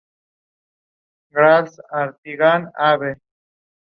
He obtained commissions in important buildings such as Woburn Abbey and Blenheim Palace.